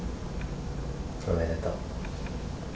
おめでとう。